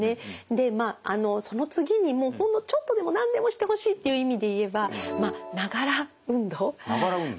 でまあその次にほんのちょっとでも何でもしてほしいっていう意味で言えばながら運動。ながら運動。